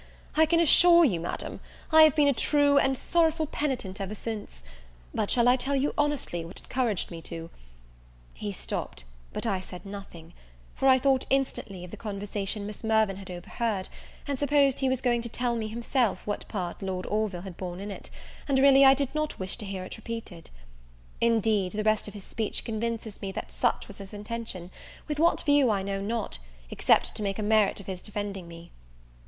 I can assure you, Madam, I have been a true and sorrowful penitent ever since; but shall I tell you honestly what encouraged me to " He stopt, but I said nothing; for I thought instantly of the conversation Miss Mirvan had overheard, and supposed he was going to tell me himself what part Lord Orville had borne in it; and really I did not wish to hear it repeated. Indeed, the rest of his speech convinces me that such was his intention; with what view I know not, except to make a merit of his defending me.